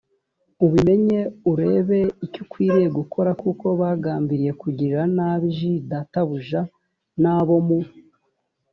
ubimenye urebe icyo ukwiriye gukora kuko bagambiriye kugirira nabi j databuja n abo mu